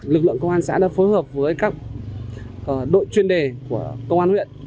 lực lượng công an xã đã phối hợp với các đội chuyên đề của công an huyện